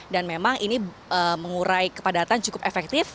dan memang ini mengurai kepadatan cukup efektif